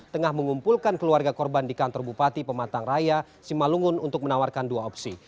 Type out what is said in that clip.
tengah mengumpulkan keluarga korban di kantor bupati pematang raya simalungun untuk menawarkan dua opsi